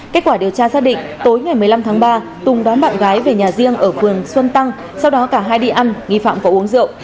kết quả điều tra xác định tối ngày một mươi năm tháng ba tùng đón bạn gái về nhà riêng ở phường xuân tăng sau đó cả hai đi ăn nghi phạm có uống rượu